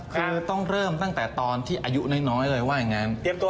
คือต้องเริ่มตั้งแต่ตอนที่อายุน้อยเลยว่าอย่างนั้น